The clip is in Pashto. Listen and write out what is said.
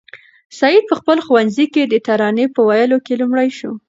سعید په خپل ښوونځي کې د ترانې په ویلو کې لومړی شو.